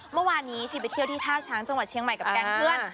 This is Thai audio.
เมื่อวานนี้ชีไปเที่ยวที่ท่าช้างจังหวัดเชียงใหม่กับแก๊งเพื่อน